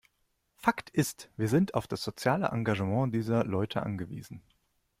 Fakt ist, wir sind auf das soziale Engagement dieser Leute angewiesen.